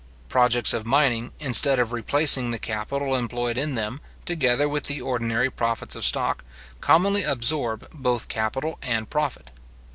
Projects of mining, instead of replacing the capital employed in them, together with the ordinary profits of stock, commonly absorb both capital and profit.